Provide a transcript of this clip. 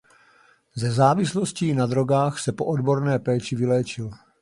Ze závislostí na drogách se po odborné péči vyléčil.